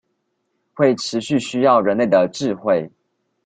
會持續需要人類的智慧